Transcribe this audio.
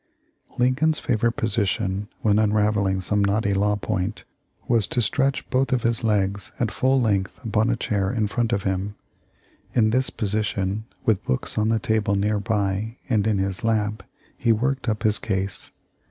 "Lincoln's favorite position when unravelling some knotty law point was to stretch both of his legs 318 THE LIFE OF LINCOLN. at full length upon a chair in front of him. In this position, with books on the table near by and in his lap, he worked up his case.